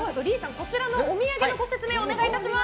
こちらのお土産のご説明お願いいたします。